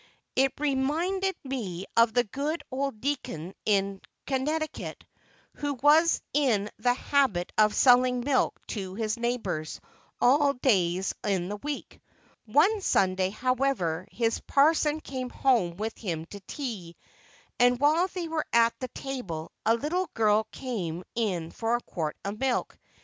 It reminded me of the good old deacon in Connecticut who was in the habit of selling milk to his neighbors on all days in the week. One Sunday, however, his parson came home with him to tea, and while they were at the table a little girl came in for a quart of milk.